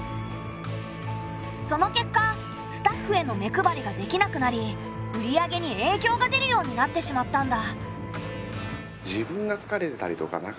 その結果スタッフへの目配りができなくなり売り上げにえいきょうが出るようになってしまったんだ。